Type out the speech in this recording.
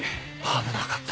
危なかった